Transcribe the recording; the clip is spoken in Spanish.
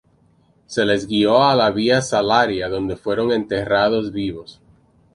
Se les guió a la Vía Salaria donde fueron enterrados vivos.